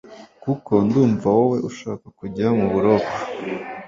kuko ndumva wowe ushaka kujya mu buroko